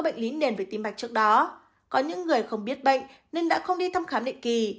bệnh lý nền về tim mạch trước đó có những người không biết bệnh nên đã không đi thăm khám định kỳ